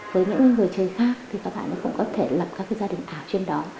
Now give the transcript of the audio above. với những người chơi khác thì các bạn nó cũng có thể lập các gia đình ảo trên đó